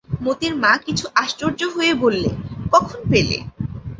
মোতির মা কিছু আশ্চর্য হয়ে বললে, কখন পেলে?